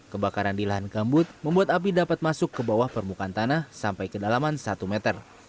kebakaran di lahan gambut membuat api dapat masuk ke bawah permukaan tanah sampai kedalaman satu meter